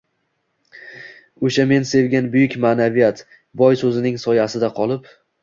O‘sha men sevgan buyuk ma’naviyat «boy» so‘zining soyasida qolib